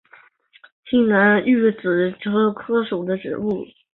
西南悬钩子是蔷薇科悬钩子属的植物。